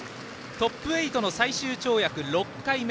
トップ８の最終跳躍、６回目。